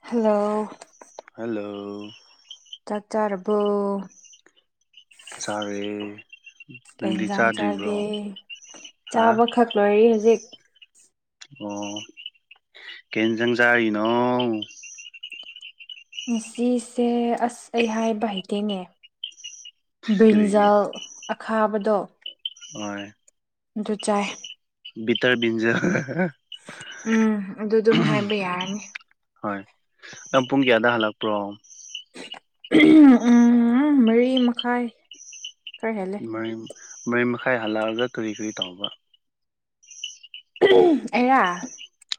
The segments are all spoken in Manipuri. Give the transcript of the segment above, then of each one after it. ꯍꯜꯂꯣ ꯍꯜꯂꯣ ꯆꯥꯛ ꯆꯥꯔꯕꯣ ꯆꯥꯔꯦ ꯀꯩ ꯅꯪꯗꯤ ꯆꯥꯗ꯭ꯔꯤꯕ꯭ꯔꯣ ꯍꯥ ꯆꯥꯕꯈꯛ ꯂꯣꯏꯔꯤ ꯍꯧꯖꯤꯛ꯫ ꯑꯣ ꯀꯩ ꯏꯟꯖꯥꯡ ꯆꯔꯤꯅꯣ ꯉꯁꯤꯁꯦ ꯑꯁ ꯑꯩ ꯍꯥꯏꯕ ꯍꯩꯇꯦꯅꯦ꯫ ꯀꯔꯤꯒꯤ ꯕ꯭ꯔꯤꯟꯖꯜ ꯑꯈꯥꯕꯗꯣ꯫ ꯍꯣꯏ ꯖꯨꯠ ꯆꯥꯏꯌꯦ ꯕꯤꯇꯔ ꯕꯤꯟꯖꯔ꯫ ꯎꯝ ꯑꯗꯨ ꯑꯗꯨꯝ ꯍꯥꯏꯕ ꯌꯥꯔꯅꯤ꯫ ꯍꯣꯏ ꯅꯪ ꯄꯨꯡ ꯀꯌꯥꯗ ꯍꯜꯂꯛꯄ꯭ꯔꯣ꯫ ꯎꯝ ꯃꯔꯤ ꯃꯈꯥꯏ ꯈꯔ ꯍꯦꯜꯂꯦ꯫ ꯃꯔꯤ ꯃꯈꯥꯏ ꯍꯜꯂꯛꯑꯒ ꯀꯨꯔꯤ ꯀꯨꯔꯤ ꯇꯧꯕ ꯑꯩꯔꯥ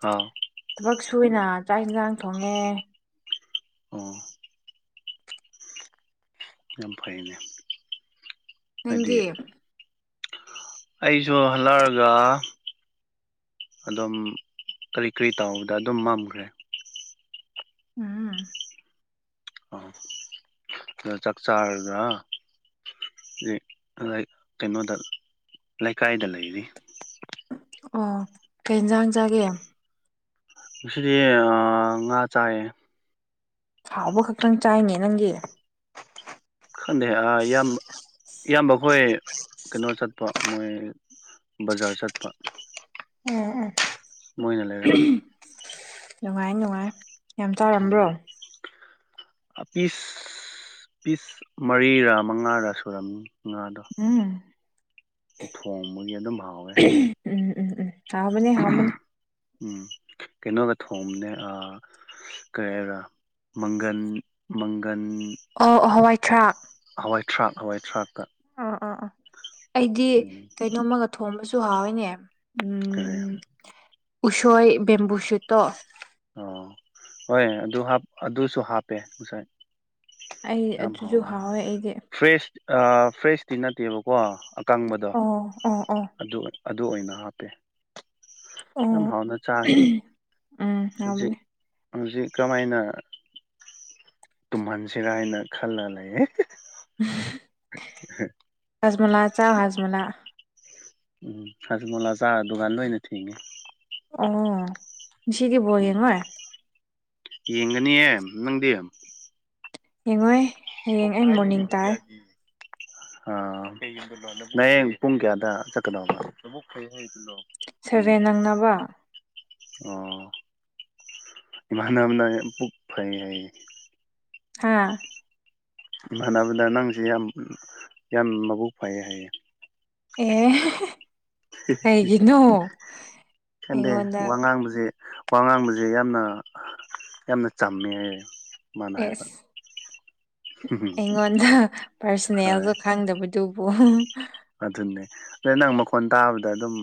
ꯑꯧ꯫ ꯊꯕꯛ ꯁꯨꯏꯅ ꯆꯥꯛ ꯏꯟꯖꯥꯡ ꯊꯣꯡꯉꯦ꯫ ꯑꯣ꯫ ꯌꯥꯝ ꯐꯩꯅꯦ꯫ ꯍꯥꯏꯗꯤ ꯅꯪꯗꯤ ꯑꯩꯁꯨ ꯍꯜꯂꯛꯔꯒ ꯑꯗꯨꯝ ꯀꯔꯤ ꯀꯔꯤ ꯇꯧꯕꯗ ꯑꯗꯨꯝ ꯃꯝꯒ꯭ꯔꯦ꯫ ꯎꯝ꯫ ꯑ ꯑꯗ ꯆꯥꯛ ꯆꯥꯔꯒꯥ ꯍꯧꯖꯤꯠ [unintelligible] ꯀꯩꯅꯣꯗ ꯂꯩꯀꯥꯏꯗ ꯂꯩꯔꯤ꯫ ꯑꯣ ꯀꯩ ꯌꯦꯟꯖꯥꯡ ꯆꯥꯒꯦ ꯉꯁꯤꯗꯤ ꯑ ꯉꯥ ꯆꯥꯏꯌꯦ꯫ ꯍꯥꯎꯕ ꯈꯛꯇꯪ ꯆꯥꯏꯅꯦ ꯅꯪꯗꯤ꯫ ꯈꯪꯗꯦ ꯑ ꯏꯌꯥꯝꯕ ꯏꯌꯥꯝꯕꯈꯣꯏ ꯀꯩꯅꯣ ꯆꯠꯄ ꯃꯣꯏ ꯕꯖꯥꯔ ꯆꯠꯄ꯫ ꯎꯝ ꯎꯝ꯫ ꯃꯣꯏꯅ ꯂꯩꯔꯛꯄ ꯅꯨꯡꯉꯥꯏ ꯅꯨꯡꯉꯥꯏ꯫ ꯌꯥꯝ ꯆꯥꯔꯝꯕ꯭ꯔꯣ [unintelligible] ꯑꯄꯤꯁ ꯄꯤꯁ ꯃꯔꯤꯔ ꯃꯉꯥꯔ ꯁꯨꯔꯝꯅꯤ ꯉꯥꯗꯣ꯫ ꯎꯝ ꯊꯣꯡꯕꯒꯤ ꯑꯗꯨꯝ ꯍꯥꯎꯋꯦ꯫ ꯎꯝ ꯎꯝ ꯎꯝ ꯎꯝ ꯍꯥꯎꯕꯅꯦ ꯍꯥꯎꯕꯅꯦ꯫ ꯎꯝ ꯀꯩꯅꯣꯒ ꯊꯣꯡꯕꯅꯦ ꯑ ꯀꯔꯤ ꯍꯥꯏꯕꯔ ꯃꯪꯒꯟ ꯃꯪꯒꯟ ꯑꯣ ꯍꯋꯥꯏꯊ꯭ꯔꯥꯛ ꯍꯋꯥꯏ ꯊꯔꯥꯛ ꯍꯋꯥꯏ ꯊꯔꯥꯛꯀ ꯑꯥ ꯑꯥ ꯑꯥ ꯑꯩꯗꯤ ꯀꯩꯅꯣꯝꯃꯒ ꯊꯣꯝꯕꯁꯨ ꯍꯥꯎꯋꯏꯅꯦ ꯀꯔꯤ ꯎꯁꯣꯏ ꯕꯦꯝꯕꯨꯁꯨꯠꯇꯣ꯫ ꯑꯣ ꯍꯣꯏꯅꯦ ꯑꯗꯨ ꯍꯥꯞ ꯑꯗꯨꯁꯨ ꯍꯥꯞꯄꯦ ꯉꯁꯥꯏ꯫ ꯑꯩ ꯌꯥꯝ ꯑꯗꯨꯁꯨ ꯍꯥꯎꯈꯔꯦ ꯍꯥꯎꯋꯦ ꯑꯩꯗꯤ ꯐ꯭ꯔꯦꯁ ꯑ ꯐ꯭ꯔꯦꯁꯇꯤ ꯅꯠꯇꯦꯕꯀꯣ ꯑꯀꯪꯕꯗꯣ ꯑꯣ ꯑꯣ ꯑꯣ ꯑꯗꯨ ꯑꯗꯨ ꯑꯣꯏꯅ ꯍꯥꯞꯄꯦ ꯌꯥꯝ ꯑꯣ ꯍꯥꯎꯅ ꯆꯥꯈꯤ ꯎꯝ ꯍꯧꯖꯤꯛ ꯉꯥꯎꯕꯅꯦ꯫ ꯍꯧꯖꯤꯛ ꯀꯃꯥꯏꯅ꯫ ꯇꯨꯝꯍꯟꯁꯤꯔꯥ ꯍꯥꯏꯅ ꯈꯜꯂ ꯂꯩꯌꯦ ꯎꯝ [unintelligible] ꯍꯖꯃꯣꯂꯥ ꯆꯥꯎ ꯍꯖꯃꯣꯂꯥ꯫ ꯎꯝ ꯍꯖꯃꯣꯂꯥ ꯆꯥ ꯗꯨꯀꯥꯟ ꯂꯣꯏꯅ ꯊꯤꯡꯉꯤ ꯑꯣ ꯉꯥꯁꯤꯒꯤ ꯕꯣꯜ ꯎꯝ ꯌꯦꯡꯉꯣꯏ ꯌꯦꯡꯒꯅꯤꯌꯦ ꯅꯪꯗꯤ꯫ ꯌꯦꯡꯉꯣꯏ ꯍꯌꯦꯡ ꯑꯩ ꯃꯣꯔꯅꯤꯡ ꯇꯥꯏ ꯅꯌꯦꯡ ꯄꯨꯡ ꯀꯌꯥꯗ ꯆꯠꯀꯗꯕ ꯈꯩ ꯍꯥꯏꯗꯨꯅꯣ ꯁꯦꯚꯦꯟ ꯅꯪꯅꯕ ꯑꯣ ꯏꯃꯥꯟꯅꯕꯅ ꯄꯨꯛ ꯐꯩ ꯍꯥꯏꯌꯦ ꯍꯥ ꯃꯥꯟꯅꯕꯗ ꯅꯪꯖꯦ ꯌꯥꯝ ꯌꯥꯝ ꯃꯕꯨꯛ ꯐꯩꯌꯦ ꯍꯥꯏꯌꯦ꯫ ꯑꯦ [unintelligible] ꯀꯩꯒꯤꯅꯣ ꯈꯟꯗꯦ ꯑꯩꯉꯣꯟꯗ ꯋꯥ ꯉꯥꯡꯕꯖꯦ ꯋꯥ ꯉꯥꯡꯕꯖꯦ ꯌꯥꯝꯅ ꯌꯥꯝꯅ ꯆꯝꯃꯦ ꯍꯥꯏꯌꯦ꯫ ꯃꯥꯅ ꯍꯥꯏꯕ ꯑꯦꯁ ꯑꯩꯉꯣꯟꯗ ꯍꯣꯏ ꯄꯔꯁꯅꯦꯜꯒ ꯈꯪꯗꯕꯗꯨꯕꯨ ꯑꯗꯨꯅꯦ ꯑꯗꯩ ꯅꯪ ꯃꯈꯣꯟ ꯇꯥꯕꯗ ꯑꯗꯨꯝ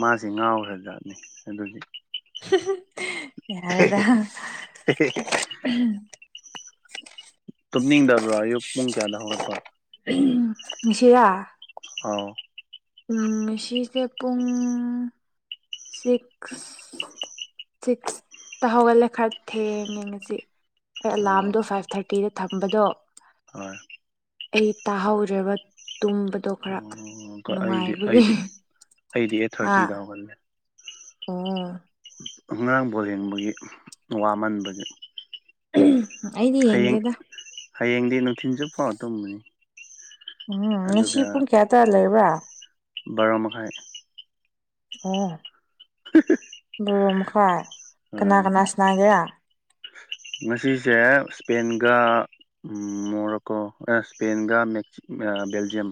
ꯃꯥꯖꯤ ꯉꯥꯎꯈ꯭ꯔ ꯖꯥꯠꯅꯤ ꯑꯗꯨꯗꯤ ꯌꯥꯔꯦꯗ꯫ ꯇꯨꯝꯅꯤꯡꯗꯕ꯭ꯔꯣ ꯑꯌꯨꯛ ꯄꯨꯡ ꯀꯌꯥꯗ ꯍꯧꯒꯠꯄ꯫ ꯑꯨꯝ ꯉꯥꯁꯤꯔꯥ ꯑꯥꯎ ꯉꯥꯁꯤꯁꯦ ꯄꯨꯡ ꯁꯤꯛꯁ꯫ ꯁꯤꯛꯁ ꯇ ꯍꯧꯒꯠꯂꯦ ꯈꯔ ꯊꯦꯡ ꯌꯦꯡ ꯉꯁꯤ ꯑꯩ ꯑꯥꯎ ꯑꯦꯂꯥꯔꯝꯗꯣ ꯐꯥꯏꯕ ꯊꯥꯔꯇꯤꯗ ꯊꯝꯕꯗꯣ꯫ ꯍꯣꯏ꯫ ꯑꯩ ꯇꯥꯍꯧꯔꯦꯕ ꯇꯨꯝꯕꯗꯣ ꯈꯔ ꯑꯣ ꯑꯩꯗꯤ ꯅꯨꯡꯉꯥꯏꯕꯒꯤ ꯑꯩꯗꯤ ꯑꯩꯗꯤ ꯑꯩꯠ ꯊꯥꯔꯇꯤꯗ ꯍꯧꯒꯠꯂꯦ ꯑꯣꯥ ꯑꯔꯥꯡꯕꯣꯜ ꯌꯦꯡꯕꯒꯤ ꯋꯥꯃꯟꯕꯒꯤ ꯑꯩꯗꯤ ꯍꯌꯦꯡ ꯌꯦꯡꯗꯦꯗ꯫ ꯍꯌꯦꯡꯗꯤ ꯅꯨꯡꯊꯤꯟ ꯆꯨꯞꯄ ꯑꯃ ꯇꯨꯝꯒꯅꯤ꯫ ꯎꯝ ꯉꯁꯤ ꯄꯨꯡ ꯀꯌꯥꯗ ꯂꯩꯕ꯭ꯔꯥ꯫ ꯕꯥꯔꯣ ꯃꯈꯥꯏ ꯫ ꯑꯣ ꯕꯣꯔꯣ ꯃꯈꯥꯏ ꯀꯅꯥ ꯍꯣꯏ ꯀꯅꯥ ꯁꯅꯥꯒꯦꯔ ꯉꯁꯤꯁꯦ ꯏꯁꯄꯦꯟꯒ ꯎꯝ ꯃꯣꯔꯣꯀꯣ ꯁꯄꯦꯟꯒ ꯃꯦꯛ ꯕꯦꯜꯖꯤꯌꯝ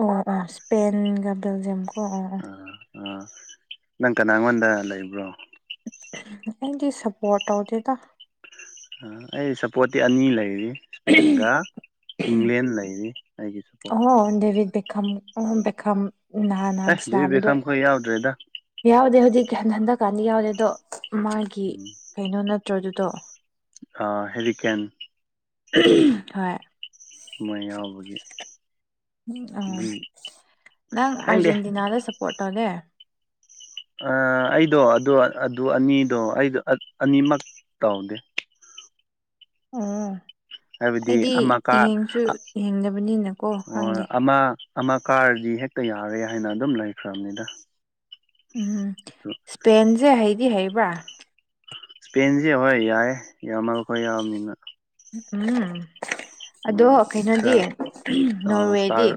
ꯑꯣ ꯑꯣ ꯁ꯭ꯄꯦꯟꯒ ꯕꯦꯜꯖꯤꯌꯝ ꯀꯣ꯫ ꯑꯣ ꯑꯣ ꯑꯥ ꯅꯪ ꯀꯅꯥꯉꯣꯟꯗ ꯂꯩꯕ꯭ꯔꯣ ꯑꯩꯗꯤ ꯁꯄꯣꯔꯠ ꯇꯧꯗꯦꯗ꯫ ꯑꯩ ꯁꯞꯄꯣꯔꯠꯇꯤ ꯑꯅꯤ ꯂꯩꯔꯤ ꯏꯁꯄꯦꯟꯒ ꯏꯪꯂꯦꯟ ꯂꯩꯔꯤ ꯑꯩꯒꯤꯁꯨ꯫ ꯑꯣ ꯗꯦꯚꯠ ꯕꯦꯛꯈꯝ ꯕꯦꯛꯈꯝ ꯅꯍꯥꯟ ꯑꯦ ꯅꯍꯥꯟ ꯗꯦꯕꯤꯠ ꯇꯅꯥꯕꯗꯣ ꯕꯦꯈꯝ ꯈꯣꯏ ꯌꯥꯎꯗ꯭ꯔꯦꯗ ꯌꯥꯎꯗꯦ ꯍꯧꯖꯤꯛ ꯍꯟꯗꯛꯀꯥꯟꯗꯤ ꯌꯥꯎꯗꯦ ꯑꯗꯣ ꯃꯥꯒꯤ ꯀꯩꯅꯣ ꯅꯠꯇꯔꯣ ꯗꯨꯗꯣ꯫ ꯑ ꯍꯦꯔꯤ ꯀꯦꯟ꯫ ꯍꯣꯏ ꯃꯥꯏ ꯌꯥꯎꯕꯒꯤ ꯑ ꯑꯗꯨꯝ ꯅꯪ ꯈꯪꯗꯦ ꯑꯥꯔꯖꯦꯟꯇꯤꯅꯥꯗ ꯁꯞꯄꯣꯔꯠ ꯇꯧꯗꯦ꯫ ꯑꯩꯗꯣ ꯑꯗꯨ ꯑꯗꯨ ꯑꯅꯤꯗꯣ ꯑꯩꯗꯣ ꯑꯅꯤꯃꯛ ꯇꯧꯗꯦ ꯑꯣ ꯍꯥꯏꯕꯗꯤ ꯑꯩꯗꯤ ꯑꯃꯀꯥ ꯌꯦꯡꯁꯨ ꯑ ꯌꯦꯡꯗꯕꯅꯤꯅꯀꯣ ꯑꯣ ꯈꯪꯗꯦ ꯑꯃ ꯑꯃ ꯀꯥꯔꯗꯤ ꯍꯦꯛꯇ ꯌꯥꯔꯦ ꯍꯥꯏꯅ ꯑꯗꯨꯝ ꯂꯩꯈ꯭ꯔꯕꯅꯤꯗ꯫ ꯎꯝꯍꯝ ꯑꯗꯨ ꯁ꯭ꯄꯦꯟꯁꯦ ꯍꯩꯗꯤ ꯍꯩꯕ꯭ꯔꯥ꯫ ꯄꯦꯟꯁꯦ ꯍꯣꯏ ꯌꯥꯏ ꯌꯥꯝꯃꯥꯜꯂꯈꯣꯏ ꯌꯥꯎꯕꯝꯅꯤꯅ꯫ ꯎꯝ ꯑꯗꯣ ꯎꯝ ꯀꯩꯅꯣꯗꯤ ꯈꯔ ꯑꯥ ꯅꯣꯔꯋꯦꯗꯤ꯫ ꯏꯁꯇꯥꯔ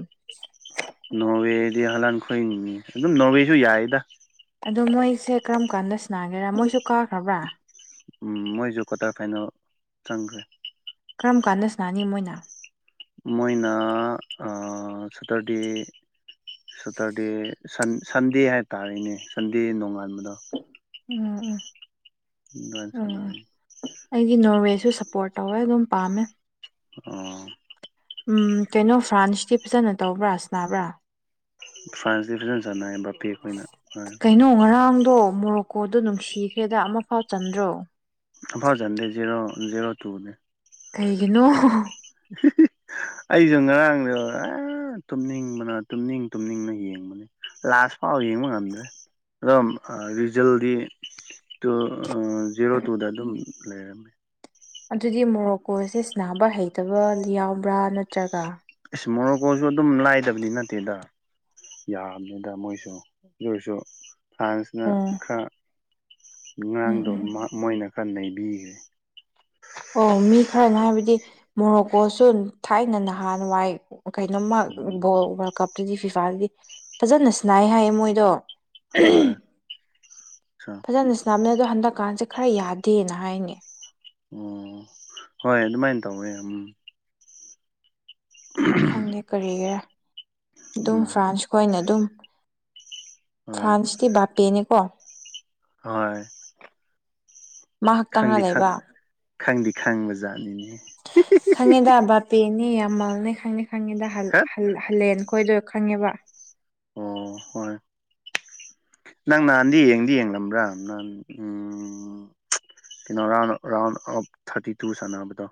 ꯅꯣꯔꯋꯦꯗꯤ ꯍꯂꯥꯟꯈꫭꯏꯅꯤꯅꯦ ꯑꯗꯨꯝ ꯅꯣꯔꯋꯦꯁꯨ ꯌꯥꯏꯗ꯫ ꯑꯗꯣ ꯃꯣꯏꯁꯦ ꯀꯔꯝꯀꯥꯟꯗ ꯁ꯭ꯅꯥꯒꯦꯔꯥ ꯃꯣꯏꯁꯨ ꯀꯥꯈ꯭ꯔꯕ꯭ꯔꯥ꯫ ꯎꯝ ꯃꯣꯏꯁꯨ ꯀ꯭ꯋꯥꯇꯔ ꯐꯥꯏꯅꯦꯜ ꯆꯪꯈ꯭ꯔꯦ꯫ ꯀꯔꯝꯀꯥꯟꯗ ꯁꯅꯥꯅꯤ ꯃꯣꯏꯅ꯫ ꯃꯣꯏꯅ ꯑ ꯁꯇꯔꯗꯦ ꯁꯇꯔꯗꯦ ꯁꯟꯗꯦ ꯍꯥꯏꯇꯥꯔꯦꯅꯦ ꯁꯟꯗꯦ ꯅꯣꯡꯉꯥꯟꯕꯗꯣ꯫ ꯎꯝ ꯎꯝ꯫ ꯗꯨꯋꯥꯏ ꯎꯝ ꯁꯅꯥꯒꯅꯤ꯫ ꯑꯩꯗꯤ ꯅꯣꯔꯋꯦꯁꯨ ꯁꯞꯄꯣꯔꯠ ꯇꯧꯋꯦ ꯑꯗꯨꯝ ꯄꯥꯝꯃꯦ꯫ ꯑꯣ꯫ ꯎꯝ ꯀꯩꯅꯣ ꯐ꯭ꯔꯥꯟꯁꯇꯤ ꯐꯖꯅ ꯇꯧꯕ꯭ꯔꯥ ꯁ꯭ꯅꯥꯕ꯭ꯔꯥ꯫ ꯐ꯭ꯔꯥꯟꯁꯗꯤ ꯐꯖꯟ ꯁꯥꯟꯅꯑꯦ ꯕꯥꯄꯦ ꯈꯣꯏꯅ꯫ ꯀꯩꯅꯣ ꯉꯔꯥꯡꯗꯣ ꯃꯣꯔꯣꯛ ꯀꯣꯗꯨ ꯅꯨꯡꯁꯤꯈ꯭ꯔꯦꯗ ꯑꯃꯐꯥꯎ ꯆꯟꯗ꯭ꯔꯣ꯫ ꯑꯝꯐꯥꯎ ꯆꯟꯗꯦ ꯖꯦꯔꯣ ꯖꯦꯔꯣ ꯇꯨ ꯅꯦ꯫ ꯀꯩꯒꯤꯅꯣ꯫ [unintelligible] ꯑꯩꯁꯨ ꯉꯔꯥꯡꯗꫭ ꯑꯥ ꯇꯨꯝꯅꯤꯡꯕꯅ ꯇꯨꯝꯅꯤꯡ ꯇꯨꯝꯅꯤꯡꯅ ꯌꯦꯡꯕꯅꯦ꯫ ꯂꯥꯁ ꯐꯥꯎ ꯌꯦꯡꯕ ꯉꯝꯗ꯭ꯔꯦ ꯑꯗꫭꯝ ꯔꯤꯖꯜꯗꯤ ꯇꯨ ꯑ ꯖꯦꯔꯣ ꯇꯨꯗ ꯑꯗꯨꯝ ꯂꯩꯔꯝꯃꯦ꯫ ꯑꯗꯨꯗꯤ ꯃꯣꯔꯣꯛꯀꯣꯁꯦ ꯁ꯭ꯅꯥꯕ ꯍꯩꯇꯕ ꯌꯥꯎꯕ꯭ꯔꯥ ꯅꯠꯇ꯭ꯔꯒ ꯏꯁ ꯃꯣꯔꯣꯀꯣꯁꯨ ꯑꯗꯨꯝ ꯂꯥꯏꯗꯕꯅꯤ ꯅꯠꯇꯦꯗ꯫ ꯌꯥꯝꯕꯅꯤꯗ ꯃꯣꯏꯁꯨ ꯑꯗꯨ ꯑꯣꯏꯔꯁꯨ ꯐ꯭ꯔꯥꯟꯁꯅ ꯎꯝ ꯈꯔ ꯎꯝ ꯑꯉꯥꯡꯗꯣ ꯎꯝ ꯃ ꯃꯣꯏꯅ ꯈꯔ ꯅꯩꯕꯤꯈ꯭ꯔꯦ꯫ ꯑꯣ ꯃꯤ ꯈꯔꯅ ꯍꯥꯏꯕꯗꯤ ꯃꯣꯔꯣꯀꯣꯁꯨ ꯊꯥꯏꯅ ꯅꯍꯥꯟ ꯋꯥꯏ ꯀꯩꯅꯣꯝꯃ ꯎꯝ ꯕꯣꯜ ꯋꯥꯔꯜ ꯀꯞꯇꯨꯗꯤ ꯐꯤꯐꯥꯗꯗꯤ ꯐꯖꯅ ꯁ꯭ꯅꯥꯏ ꯍꯥꯏꯌꯦ ꯃꯣꯏꯗꯣ꯫ ꯍꯣꯏ꯫ ꯑꯆꯥ ꯐꯖꯅ ꯁꯅꯕꯅꯦ ꯑꯗꯣ ꯍꯟꯗꯛꯀꯥꯟꯁꯦ ꯈꯔ ꯌꯥꯗꯦꯅ ꯍꯥꯏꯅꯦ꯫ ꯑꯣ ꯍꯣꯏ ꯑꯗꯨꯃꯥꯏꯅ ꯇꯧꯋꯦ꯫ ꯑꫭ ꯈꯪꯗꯦ ꯀꯔꯤꯒꯤꯔ ꯑꯗꯨꯝ ꯎꯝ ꯐ꯭ꯔꯥꯟꯁꯈꯣꯏꯅ ꯑꯗꯨꯝ ꯍꯣꯏ ꯐ꯭ꯔꯥꯟꯁꯇꯤ ꯕꯥꯄꯦꯅꯤꯀꯣ꯫ ꯍꯣꯏ꯫ ꯃꯥ ꯈꯛꯇꯪꯅ ꯈꯪꯗꯤ ꯈꯪ ꯂꯩꯕ ꯈꯪꯗꯤ ꯈꯪꯕ ꯖꯥꯠꯅꯤꯅꯦ꯫ ꯈꯪꯉꯦꯗ ꯕꯥꯄꯦꯅꯦ ꯌꯥꯝꯃꯜꯅꯦ ꯈꯪꯉꯦ ꯈꯪꯉꯦꯗ ꯍꯜ ꯍꯠ ꯍꯜ ꯍꯜꯂꯦꯟ ꯈꯣꯏꯗꯣ ꯈꯪꯉꯦꯕ꯫ ꯑꯣ ꯍꯣꯏ꯫ ꯅꯪ ꯅꯍꯥꯟꯗꯤ ꯌꯦꯡꯗꯤ ꯌꯦꯡꯂꯝꯕ꯭ꯔꯥ ꯅꯪ ꯎꯝ ꯎꯝ ꯀꯩꯅꯣ round round of thirty two ꯁꯥꯟꯅꯕꯗꯣ꯫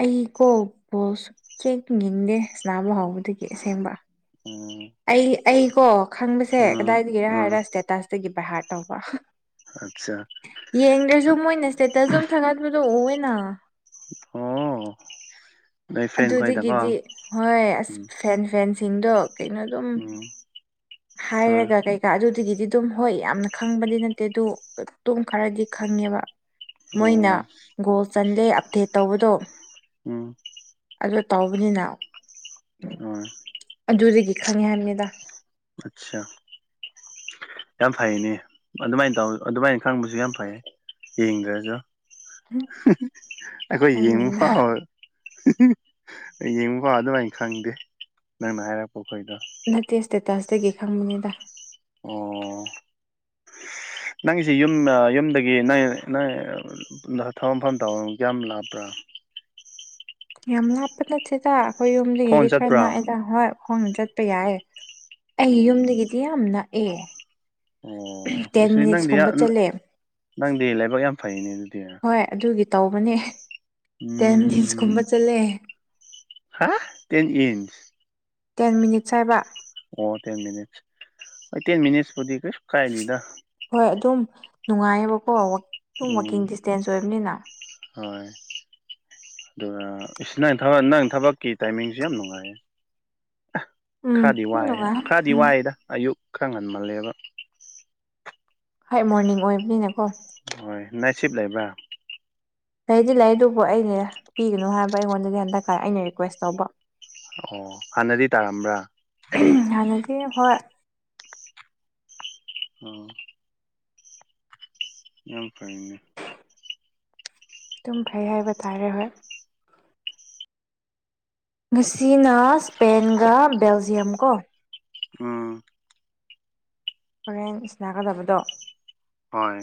ꯑꯩ ꯀꯣ ꯕꯣꯜꯁ ꯆꯦꯛ ꯌꯦꯡꯗꯦ ꯁꯅꯥꯕ ꯍꯥꯎꯕꯗꯒꯤ ꯑꯁꯦꯡꯕ꯫ ꯎꯝ꯫ ꯑꯩ ꯑꯩ ꯀꯣ ꯈꯪꯕꯁꯦ ꯑꯥ ꯀꯗꯥꯏꯗꯒꯤꯔ ꯍꯥꯏꯔ ꯏꯁꯇꯦꯇꯁꯇꯒꯤ ꯕꯥꯍꯥꯔꯠ ꯇꯧꯕ꯫ ꯑꯆꯥ꯫ ꯌꯦꯡꯗ꯭ꯔꯁꯨ ꯃꯣꯏꯅ ꯏꯁ꯭ꯇꯦꯇꯁ ꯑꯗꯨ ꯊꯥꯒꯠꯄꯤꯗꯨ ꯎꯋꯦꯅꯥ꯫ ꯑꯣ꯫ ꯅꯣꯏ ꯐ꯭ꯔꯦꯟ ꯈꯣꯏꯗꯀꯣ ꯑꯗꯨꯗꯒꯤꯗꯤ ꯍꯣꯏ ꯑꯁ ꯎꯝ ꯐꯦꯟ ꯐꯦꯟꯁꯤꯡꯗꯣ ꯀꯩꯅꯣ ꯑꯗꯨꯝ ꯎꯝ꯫ ꯍꯣꯏ ꯍꯥꯏꯔꯒ [unintelligible] ꯑꯗꯨꯗꯒꯤꯗꯤ ꯑꯗꯨꯝ ꯍꯣꯏ ꯌꯥꯝꯅ ꯈꯪꯕꯗꯤ ꯅꯠꯇꯦ ꯑꯗꯨ ꯇꯨꯡ ꯈꯔꯗꯤ ꯈꯪꯉꯦꯕ꯫ ꯃꯣꯏꯅ ꯑꯣ ꯒꯣꯜ ꯆꯜꯂꯦ ꯑꯞꯗꯦꯠ ꯇꯧꯕꯗꯣ ꯎꯝ ꯑꯗꯨ ꯇꯧꯕꯅꯤꯅ ꯍꯣꯏ꯫ ꯑꯗꯨꯗꯒꯤ ꯈꯪꯉꯦ ꯍꯥꯏꯕꯅꯤꯗ ꯑꯠꯁꯥ ꯌꯥꯝ ꯐꯩꯅꯦ ꯑꯗꯨꯃꯥꯏꯟ ꯇꯧ ꯑꯗꯨꯃꯥꯏꯟ ꯈꯪꯕꯁꯨ ꯌꯥꯝ ꯐꯩ ꯌꯦꯡꯗ꯭ꯔꯁꯨ ꯑꯩꯈꯣꯏ ꯈꯪꯕꯅꯤꯗ ꯌꯦꯡꯕꯐꯥꯎ ꯌꯦꯡꯕꯥꯐꯧ ꯑꯗꯨꯃꯥꯏꯅ ꯈꯪꯗꯦ ꯅꯪꯅ ꯍꯥꯏꯔꯛꯄꯈꯣꯏꯗꯣ ꯅꯠꯇꯦ ꯁ꯭ꯇꯦꯇꯥꯁꯇꯒꯤ ꯈꯪꯕꯅꯤꯗ ꯑꯣ ꯅꯪꯒꯤꯁꯦ ꯌꯨꯝ ꯌꯨꯝꯗꯒꯤ ꯅꯪ ꯊꯕꯛ ꯃꯐꯝ ꯇꯧ ꯀꯌꯥꯝ ꯂꯥꯞꯄ꯭ꯔꯥ꯫ ꯌꯥꯝ ꯂꯥꯞꯄ ꯅꯠꯇꯦꯗ ꯑꯩꯈꯣꯏ ꯈꯣꯡ ꯌꯨꯝꯗꯒꯤꯗꯤ ꯈꯔ ꯆꯠꯄ꯭ꯔꯥ ꯅꯥꯛꯑꯦꯗꯥ ꯍꯣꯏ ꯈꯣꯡꯅ ꯆꯠꯄ ꯌꯥꯏ꯫ ꯑꯩ ꯑꯣ ꯌꯨꯝꯗꯒꯤꯗꯤ ꯌꯥꯝ ꯅꯛꯑꯦ ꯑꯣ ꯇꯦꯟ ꯁꯤ ꯅꯪꯗꯤ ꯃꯤꯅꯤꯠꯁꯀꯨꯝꯕ ꯆꯠꯂꯦ ꯅꯪꯗꯤ ꯂꯥꯏꯕꯛ ꯌꯥꯝ ꯐꯩꯅꯦ ꯑꯗꯨꯗꯤ ꯍꯣꯏ ꯑꯗꯨꯒꯤ ꯇꯧꯕꯅꯦ ꯇꯦꯟ ꯎꯝ ꯃꯤꯅꯤꯠꯁꯀꯨꯝꯕ ꯆꯠꯂꯦ ꯍꯥꯥ ꯇꯦꯟꯏꯟꯁ ꯇꯦꯟ ꯃꯤꯅꯤꯠꯁ ꯍꯥꯏꯕ꯫ ꯑꯣ ꯇꯦꯟ ꯃꯤꯅꯤꯠꯁ ꯇꯦꯟ ꯃꯤꯅꯤꯠꯁꯄꯨꯗꯤ ꯀꯩꯁꯨ ꯀꯥꯏꯗꯦꯗ꯫ ꯍꯣꯏ ꯑꯗꯨꯝ ꯅꯨꯡꯉꯥꯏꯌꯦꯕꯀꯣ ꯋꯥꯛ ꯁꯨꯝ ꯎꯝ ꯋꯥꯛꯀꯤꯡ ꯗꯤꯁꯇꯦꯟꯁ ꯑꯣꯏꯕꯅꯤꯅ ꯍꯣꯏ ꯑꯗꯨꯒ ꯅꯪ ꯊꯕꯛ ꯅꯪ ꯊꯕꯛꯀꯤ ꯇꯥꯏꯃꯤꯡꯁꯨ ꯌꯥꯝ ꯅꯨꯡꯉꯥꯏꯌꯦ ꯎꯝ ꯈꯔꯗꯤ ꯑꯗꯨꯝ ꯋꯥꯏ ꯅꯨꯡꯉꯥꯏ ꯈꯔꯗꯤ ꯎꯝ ꯋꯥꯏꯗ ꯑꯌꯨꯛ ꯈꯔ ꯉꯟꯃꯜꯂꯦꯕ꯫ ꯍꯣꯏ ꯃꯣꯔꯅꯤꯡ ꯑꯣꯏꯕꯅꯤꯅ ꯀꯣ꯫ ꯍꯣꯏ ꯅꯥꯏꯠꯁꯤꯞ ꯂꯩꯕ꯭ꯔꯥ ꯂꯩꯗꯤ ꯂꯩ ꯑꯗꯨꯕꯨ ꯑꯩꯩꯅ ꯄꯤꯒꯅꯨ ꯍꯥꯏꯕ ꯑꯩꯉꯣꯟꯗꯗꯤ ꯍꯟꯗꯛꯀ ꯑꯩꯅ ꯔꯤꯀ꯭ꯋꯦꯁ ꯇꯧꯕ ꯑꯣ ꯍꯟꯅꯗꯤ ꯇꯥꯔꯝꯕꯔ ꯍꯟꯅꯗꯤ ꯍꯣꯏ [inaudible] ꯌꯥꯝ ꯐꯩꯅꯦ ꯑꯗꯨꯨꯝ ꯐꯩ ꯍꯥꯏꯕ ꯇꯥꯔꯦ ꯍꯣꯏ ꯉꯁꯤꯅ ꯁ꯭ꯄꯦꯟꯒ ꯕꯦꯜꯖꯤꯌꯝ ꯀꯣ ꯑꯝ ꯍꯣꯔꯦꯟ ꯁꯟꯅꯥꯒꯗꯕꯗꯣ ꯍꯣꯏ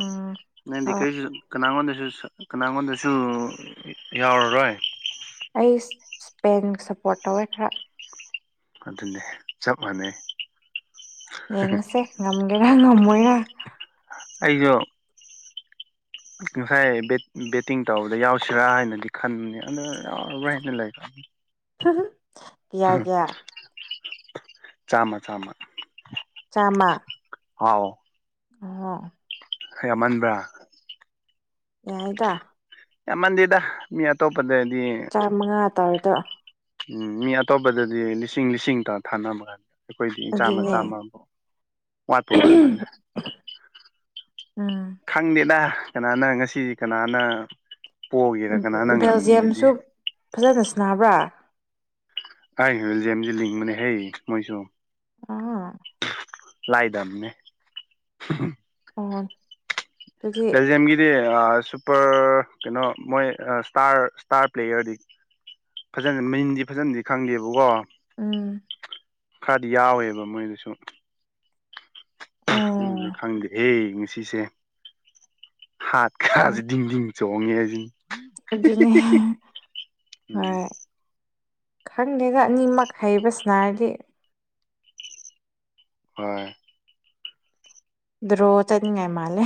ꯎꯝ ꯅꯪꯗꯤ ꯍ ꯀꯔꯤꯁꯨ ꯀꯅꯥꯒꯣꯟꯗꯁꯨ ꯀꯅꯥꯒꯣꯟꯗꯁꯨ ꯌꯥꯎꯔꯔꯣꯏ ꯑꯩ ꯏꯁꯄꯦꯟ ꯁꯞꯄꯣꯔꯠ ꯇꯧꯋꯦ ꯈꯔ ꯑꯗꯨꯅꯦ ꯆꯞ ꯃꯥꯟꯅꯩ ꯌꯦꯡꯉꯁꯦ ꯉꯝꯒꯦꯔꯥ ꯉꯝꯃꯣꯏꯔ ꯑꯩꯖꯨ ꯉꯁꯥꯏ ꯕꯦꯠꯇꯤꯡ ꯇꯧꯕꯗ ꯌꯥꯎꯁꯤꯔꯥ ꯍꯥꯏꯅꯗꯤ ꯈꯟꯕꯅꯦ ꯑꯗꯨ ꯌꯥꯎꯔꯔꯣꯏ ꯍꯥꯏꯅ ꯂꯩꯕ [unintelligible] ꯆꯥꯝꯃ ꯆꯥꯝꯃ ꯆꯥꯝꯃ ꯍꯥꯎ ꯑꯣ ꯌꯥꯝꯃꯟꯕ꯭ꯔꯥ ꯌꯥꯏꯗ ꯌꯥꯝꯃꯥꯟꯗꯦꯗ ꯃꯤ ꯑꯇꯣꯞꯄꯗꯗꯤ ꯆꯥꯝꯃꯉꯥ ꯇꯥꯔꯗ ꯎꯝ ꯃꯤ ꯑꯇꯣꯞꯄꯗꯗꯤ ꯂꯤꯁꯤꯡ ꯂꯤꯁꯤꯡꯇ ꯊꯥꯅꯃꯒꯥꯟꯗ ꯑꯩꯈꯣꯏꯗꯤ ꯏꯆꯥ ꯃꯆꯥ ꯑꯗꯨꯅꯦ ꯑꯃꯕꯨ ꯋꯥꯠꯄ ꯋꯥꯠꯃꯜꯂꯦ ꯎꯝ ꯈꯪꯗꯦꯗ ꯀꯅꯥꯅ ꯉꯁꯤ ꯀꯅꯥꯅ ꯄꯣꯛꯒꯦꯔꯥ ꯀꯅꯥꯅ ꯉꯝꯒꯦꯔꯗꯤ ꯕꯦꯜꯖꯤꯌꯝꯁꯨ ꯐꯖꯅ ꯁꯟꯅꯕ꯭ꯔꯥ꯫ ꯑꯩ ꯋꯤꯜꯖꯦꯝ ꯂ ꯃꯅꯦ ꯍꯩ ꯃꯣꯏꯁꯨ ꯑꯥ ꯂꯥꯏꯗ ꯑꯃꯦ ꯑꯣ ꯑꯗꯨꯗꯤ ꯄ꯭ꯂꯦꯖꯝꯒꯤꯗꯤ ꯁꯨꯄꯔ ꯀꯩꯅꯣ ꯃꯣꯏ ꯁ꯭ꯇꯥꯔ ꯁ꯭ꯇꯥꯔ ꯄ꯭ꯂꯦꯌꯔꯗꯤ ꯐꯖꯅ ꯃꯟꯗꯤ ꯐꯖꯅꯗꯤ ꯈꯪꯗꯦꯕꯀꯣ ꯎꯝ ꯈꯔꯗꯤ ꯌꯥꯎꯋꯦꯕ ꯃꯣꯏꯗꯨꯁꯨ ꯑꯣ ꯁꯤꯁꯨ ꯐꯪꯗꯦꯍꯦ ꯉꯁꯤꯁꯦ ꯍꯥꯠ ꯈꯥꯁ ꯗꯤꯡ ꯗꯤꯡ ꯆꯣꯡꯉꯦꯁꯤ꯫ ꯑꯗꯨ ꯍ ꯎꯝ ꯈꯪꯗꯦꯗ ꯑꯅꯤꯃꯛ ꯍꯩꯕꯁꯤꯅꯔꯗꯤ ꯍꯣꯏ ꯗ꯭ꯔꯣ ꯆꯠꯅꯤꯡꯉꯥꯏ ꯃꯥꯜꯂꯦ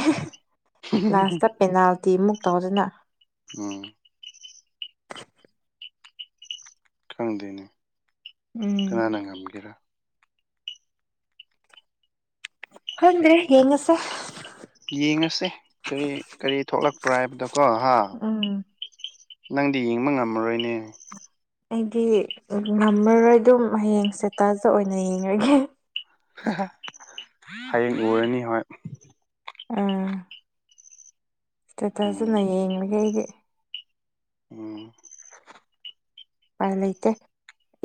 ꯂꯥꯁꯇ ꯄꯦꯅꯥꯜꯇꯤꯃꯨꯛ ꯇꯧꯗꯅ ꯎꯝ ꯈꯪꯗꯦꯅ ꯎꯝ ꯀꯅꯥ ꯅ ꯀꯥꯒꯦꯔꯥ ꯈꯗ꯭ꯔꯔꯤ ꯌꯦꯉꯁꯦ ꯌꯦꯡꯉꯁꯦ ꯀꯔꯤ ꯀꯔꯤ ꯊꯣꯛꯂꯛꯄ꯭ꯔꯥ ꯍꯥꯏꯕꯗꯣꯀꯣ ꯍꯥ ꯎꯝ ꯅꯪꯗꯤ ꯌꯦꯡꯕ ꯉꯝꯃꯔꯣꯏꯅꯦ ꯑꯩꯗꯤ ꯉꯝꯃꯔꯣꯏ ꯑꯗꯨꯝ ꯍꯌꯦꯡꯁꯦꯇꯥꯖ ꯑꯣꯏꯅ ꯌꯦꯡꯉꯒꯦ ꯍꯌꯦꯡ ꯑꯣꯏꯔꯅꯤ ꯍꯣꯏ ꯑꯥ ꯏꯁꯇꯦꯇꯁꯅ ꯎꯝ ꯌꯦꯡꯂꯒ ꯑꯩꯒꯤ ꯎꯝ ꯎꯄꯥꯏ ꯂꯩꯇꯦ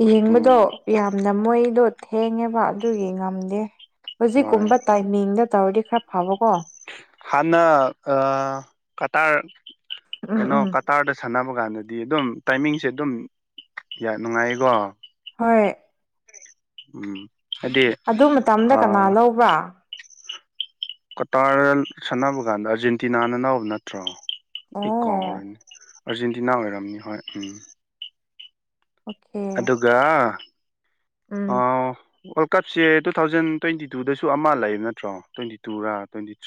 ꯌꯦꯡꯕꯗꯣ ꯎꯝ ꯌꯥꯝꯅ ꯃꯣꯏꯗꯣ ꯊꯦꯡꯉꯦꯕ ꯑꯗꯨꯒꯤ ꯉꯝꯗꯦ꯫ ꯍꯣꯏ ꯍꯧꯖꯤꯛꯀꯨꯝꯕ ꯇꯥꯏꯃꯤꯡꯗ ꯇꯧꯔꯗꯤ ꯈꯔ ꯐꯕꯀꯣ ꯍꯥꯟ ꯑ ꯀꯇꯔ ꯎꯝ ꯀꯩꯅꯣ ꯎꯝ ꯀ ꯇꯥꯔꯗ ꯁꯥꯟꯅꯕ ꯀꯥꯟꯗꯗꯤ ꯑꯗꯨꯝ ꯇꯥꯏꯃꯤꯡꯁꯦ ꯑꯗꯨꯝ ꯅꯨꯡꯉꯥꯏꯀꯣ ꯍꯣꯏ ꯎꯝ ꯍꯥꯏꯗꯤ ꯑꯗꯨ ꯃꯇꯝꯗ ꯀꯅꯥ ꯂꯧꯕ꯭ꯔꯥ꯫ ꯀꯇꯥꯔꯗ ꯁꯥꯟꯅꯕ ꯀꯥꯟꯗ ꯑꯥꯔꯖꯦꯟꯇꯤꯅꯥꯅ ꯅꯧꯕ ꯅꯠꯇ꯭ꯔꯣ ꯑꯣ ꯑꯩ ꯀꯥꯎ ꯑꯣꯏꯔꯕ ꯑꯥꯔꯖꯦꯟꯇꯤꯅꯥ ꯑꯣꯏꯔꯝꯅꯤ ꯍꯣꯏ ꯎꯝ ꯑꯣꯀꯦ [unintelligible] ꯎꯝ ꯋꯥꯔꯜ ꯀꯞꯁꯦ ꯇꯨ ꯊꯥꯎꯖꯟ ꯇ꯭ꯋꯦꯟꯇꯤ ꯇꯨꯗꯁꯨ ꯑꯃ ꯂꯩꯌꯦꯕ ꯅꯠꯇ꯭ꯔꯣ ꯇ꯭ꯋꯦꯟꯇꯤ ꯇꯨꯔꯥ ꯇ꯭ꯋꯦꯟꯇꯤ ꯊ꯭ꯔꯤ